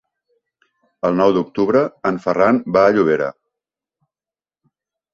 El nou d'octubre en Ferran va a Llobera.